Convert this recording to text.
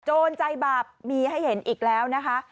โจรใจบาปมีให้เห็นอีกแล้วนะคะ